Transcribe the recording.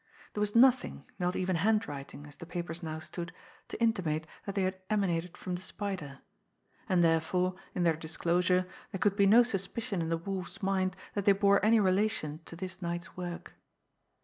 There was nothing, not even handwriting, as the papers now stood, to intimate that they had emanated from the Spider; and therefore, in their disclosure, there could be no suspicion in the Wolf's mind that they bore any relation to this night's work.